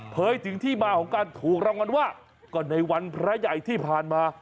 ถึงที่มาของการถูกรางวัลว่าก็ในวันพระใหญ่ที่ผ่านมา